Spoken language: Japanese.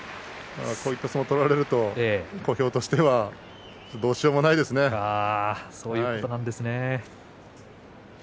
こういう相撲を取られると小兵としてはどうしようもないですね。